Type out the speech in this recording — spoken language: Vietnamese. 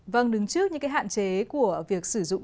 vâng đứng trước những cái hạn chế của việc sử dụng